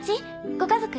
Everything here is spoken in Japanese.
ご家族？